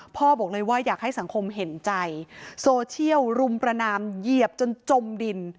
พ่อบอกเลยว่าอยากให้สังคมเห็นใจโซเชียลรุมประนามเหยียบจนจมดิน